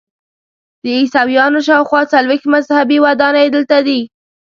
د عیسویانو شاخوا څلویښت مذهبي ودانۍ دلته دي.